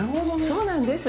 そうなんです